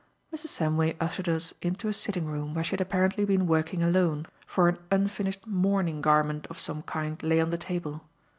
Mrs. Samway ushered us into a sitting room where she had apparently been working alone, for an unfinished mourning garment of some kind lay on the table.